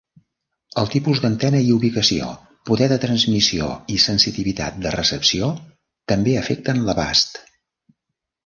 El tipus d'antena i ubicació, poder de transmissió i sensitivitat de recepció també afecten l'abast.